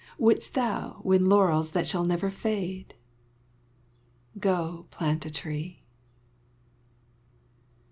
Wouldst thou win laurels that shall never fade? Go plant a tree.